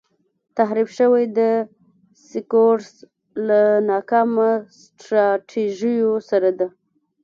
تحریف شوی دسکورس له ناکامه سټراټیژیو سره دی.